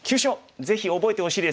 ぜひ覚えてほしいです。